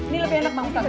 ini lebih enak bang ustadz